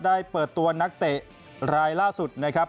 ได้เปิดตัวนักเตะรายล่าสุดนะครับ